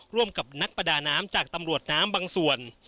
ร่วมกับนักประดาน้ำจากตำรวจน้ำบางส่วน